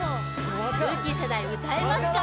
ルーキー世代歌えますか？